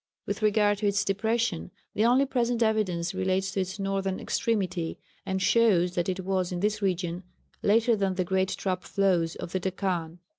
With regard to its depression, the only present evidence relates to its northern extremity, and shows that it was in this region, later than the great trap flows of the Dakhan.